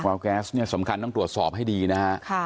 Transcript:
วแก๊สเนี่ยสำคัญต้องตรวจสอบให้ดีนะฮะ